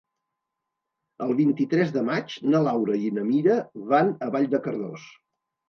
El vint-i-tres de maig na Laura i na Mira van a Vall de Cardós.